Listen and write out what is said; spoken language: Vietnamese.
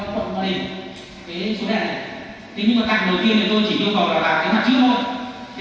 thế thì làm trong một bối cảnh cũng chỉ hơn một tháng sắp